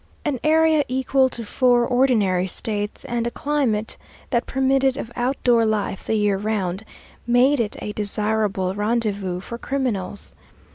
An area equal to four ordinary States, and a climate that permitted of outdoor life the year round, made it a desirable rendezvous for criminals.